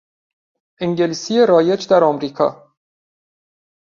انگلیسی رایج در امریکا